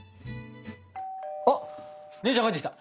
あっ姉ちゃん帰ってきた！